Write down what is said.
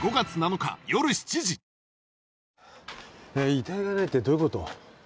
遺体がないってどういうこと？